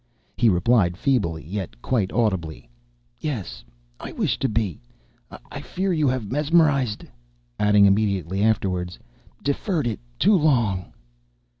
He replied feebly, yet quite audibly, "Yes, I wish to be. I fear you have mesmerized"—adding immediately afterwards: "I fear you have deferred it too long."